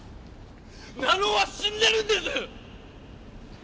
成尾は死んでるんです！